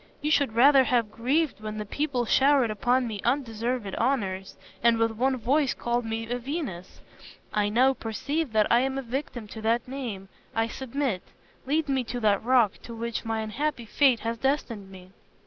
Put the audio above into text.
You should rather have grieved when the people showered upon me undeserved honors, and with one voice called me a Venus. I now perceive that I am a victim to that name. I submit. Lead me to that rock to which my unhappy fate has destined me."